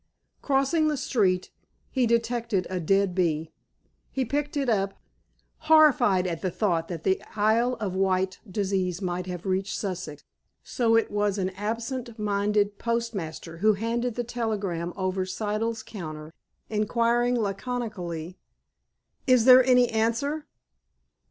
Crossing the street, he detected a dead bee. He picked it up, horrified at the thought that the Isle of Wight disease might have reached Sussex. So it was an absent minded postmaster who handed the telegram over Siddle's counter, inquiring laconically: "Is there any answer?"